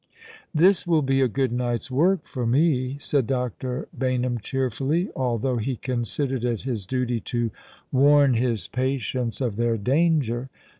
" This will be a good night's work for me," said Dr. Bayn ham, cheerfally, although he considered it his duty to warn his patients of their danger.